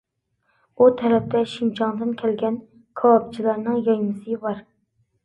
ئۇ تەرەپتە شىنجاڭدىن كەلگەن كاۋاپچىلارنىڭ يايمىسى بار.